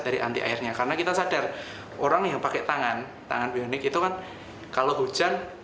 jadi anti airnya karena kita sadar orang yang pakai tangan tangan bionik itu kan kalau hujan